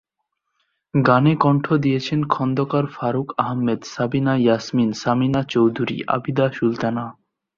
গানে কণ্ঠ দিয়েছেন খন্দকার ফারুক আহমেদ, সাবিনা ইয়াসমিন, সামিনা চৌধুরী, আবিদা সুলতানা।